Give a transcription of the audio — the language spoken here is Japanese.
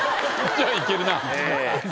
じゃあいける。